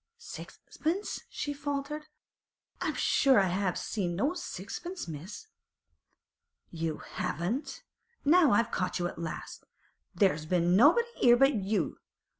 'Sixpence!' she faltered, 'I'm sure I haven't seen no sixpence, miss.' 'You haven't? Now, I've caught you at last. There's been nobody 'ere but you.